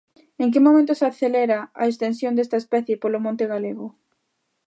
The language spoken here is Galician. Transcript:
En que momento se acelera a extensión desta especie polo monte galego?